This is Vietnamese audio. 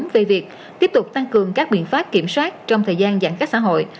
về việc tiếp tục tăng cường các biện pháp kiểm soát trong thời gian giãn cách xã hội